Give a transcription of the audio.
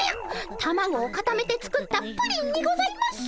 たまごをかためて作った「プリン」にございます。